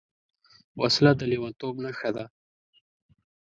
وسله د لېونتوب نښه ده